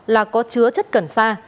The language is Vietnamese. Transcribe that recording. là có chứa chất cần sa